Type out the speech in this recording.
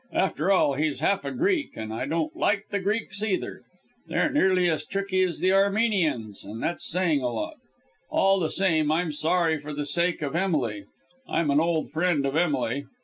After all, he's half a Greek, and I don't like the Greeks either. They're nearly as tricky as the Armenians, and that's saying a lot. All the same, I'm sorry for the sake of Emily. I'm an old friend of Emily.